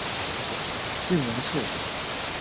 四年卒。